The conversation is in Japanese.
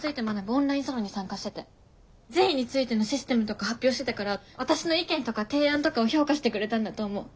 オンラインサロンに参加してて善意についてのシステムとか発表してたから私の意見とか提案とかを評価してくれたんだと思う。